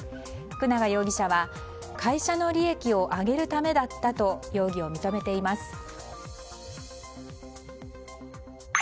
福永容疑者は会社の利益を上げるためだったと容疑を認めています。